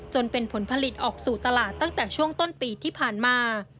จนเป็นผลผลิตออกสู่ตลาดตั้งแต่ช่วงต้นปีที่ผ่านมา